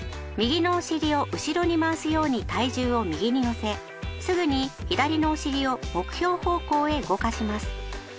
右のお尻を後ろに回すように体重を右に乗せすぐに左のお尻を目標方向へ動かします。